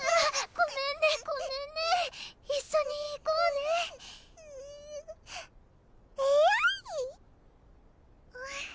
ごめんねごめんね一緒に行こうねぇうぅえるぅ！